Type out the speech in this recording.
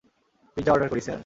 Pizza order করি, sir?